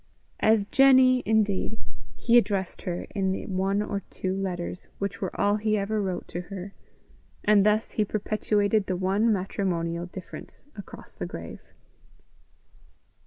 As Jenny, indeed, he addressed her in the one or two letters which were all he ever wrote to her; and thus he perpetuated the one matrimonial difference across the grave.